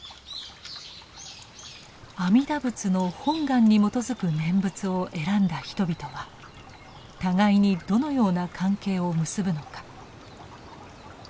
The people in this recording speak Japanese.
阿弥陀仏の本願に基づく念仏をえらんだ人々は互いにどのような関係を結ぶのか。